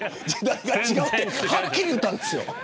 はっきり言ってたんです。